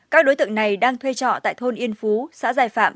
các đối tượng này đang thuê trọ tại thôn yên phú xã giải phạm